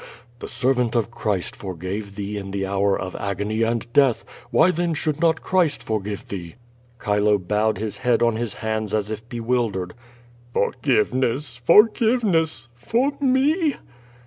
'' "The servant of Christ forgave thee in the hour of agony and death. Why then should not Christ forgive thee?" Chilo bowed his head on his hands as if bewildered. "Forgiveness! forgiveness! for me?"